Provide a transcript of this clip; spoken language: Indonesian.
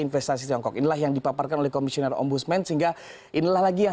investasi tiongkok inilah yang dipaparkan oleh komisioner ombudsman sehingga inilah lagi yang